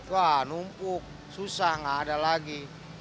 wah numpuk susah nggak ada lagi